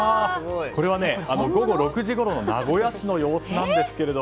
これは午後６時ごろの名古屋市の様子です。